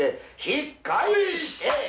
「引っ返して」。